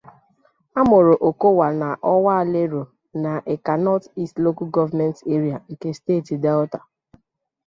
A mụrụ Okowa na Owa-Alero na Ika North-East Local Government Area nke Steeti Delta.